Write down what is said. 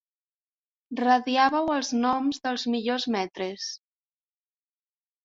Radiàveu els noms dels millors maîtres.